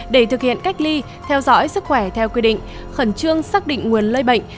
để thực hiện cách ly theo dõi sức khỏe theo quy định khẩn trương xác định nguồn lây bệnh